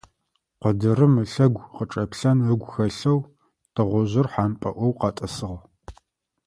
Къыдырым ылъэгу къычӀэплъэн ыгу хэлъэу тыгъужъыр хьампӀэloy къэтӀысыгъ.